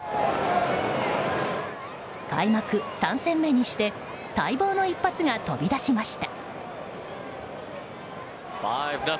開幕３戦目にして待望の一発が飛び出しました。